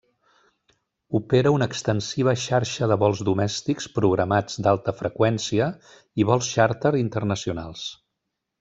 Opera una extensiva xarxa de vols domèstics programats d'alta freqüència i vols xàrter internacionals.